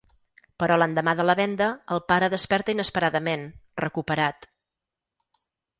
Però l’endemà de la venda, el pare desperta inesperadament, recuperat.